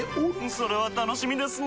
それは楽しみですなぁ。